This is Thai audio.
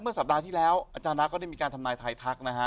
สัปดาห์ที่แล้วอาจารย์นะก็ได้มีการทำนายทายทักนะฮะ